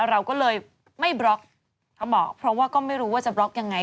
เราก็เลยไม่บล็อกเขาบอกเพราะว่าก็ไม่รู้ว่าจะบล็อกยังไง